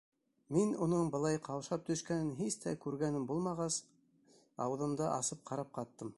Мин уның былай ҡаушап төшкәнен һис тә күргәнем булмағас, ауыҙымды асып ҡарап ҡаттым.